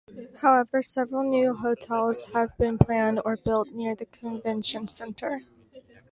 However several new hotels have been planned or built near the convention center.